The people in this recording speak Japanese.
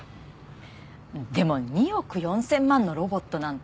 でも２億４０００万のロボットなんて。